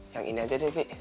yang ini aja deh bu